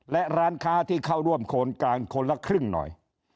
และร้านค้าที่เข้าร่วมโคนกลางคนละครึ่งหน่อย